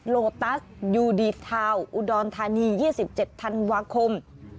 โลตัสยูดีทาวน์อุดรธานี๒๗ธันวาคม